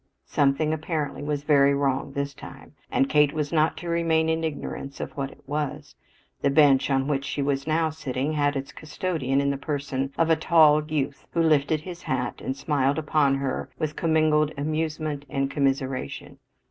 Something apparently was very wrong this time, and Kate was not to remain in ignorance of what it was. The bench on which she was now sitting had its custodian in the person of a tall youth, who lifted his hat and smiled upon her with commingled amusement and commiseration.